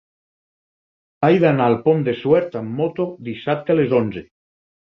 He d'anar al Pont de Suert amb moto dissabte a les onze.